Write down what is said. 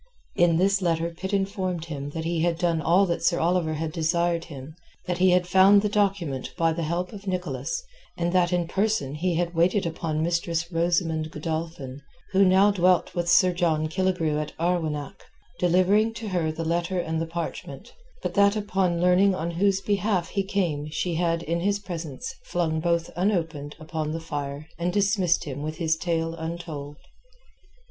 In this letter Pitt informed him that he had done all that Sir Oliver had desired him; that he had found the document by the help of Nicholas, and that in person he had waited upon Mistress Rosamund Godolphin, who dwelt now with Sir John Killigrew at Arwenack, delivering to her the letter and the parchment; but that upon learning on whose behalf he came she had in his presence flung both unopened upon the fire and dismissed him with his tale untold.